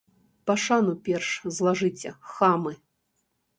Пашану перш злажыце, хамы!